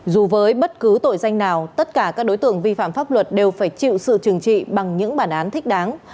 dù với bất cứ tội danh nào tất cả các đối tượng vi phạm pháp luật đều phải chịu sự trừng trị bằng những bản án thích đáng